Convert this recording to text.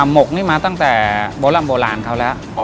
หมกมีมาตั้งแต่โบราณเขาแล้ว